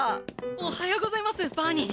おはようございますバーニン！